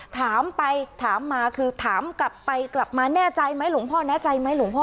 ถามไปถามมาคือถามกลับไปกลับมาแน่ใจไหมหลวงพ่อแน่ใจไหมหลวงพ่อ